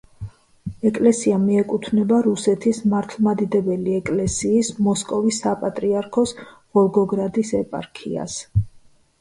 ეკლესია მიეკუთვნება რუსეთის მართლმადიდებელი ეკლესიის მოსკოვის საპატრიარქოს ვოლგოგრადის ეპარქიას.